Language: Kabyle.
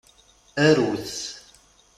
Aru-t.